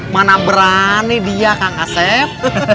mana berani dia kang asep